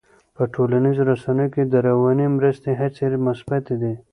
په ټولنیزو رسنیو کې د رواني مرستې هڅې مثبتې دي.